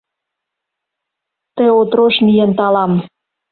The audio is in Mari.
Ты отрош миен талам